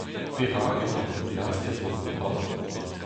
Perak emañ ar pod-lastez war an daol ?